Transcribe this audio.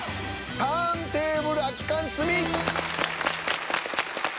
ターンテーブル空き缶積み。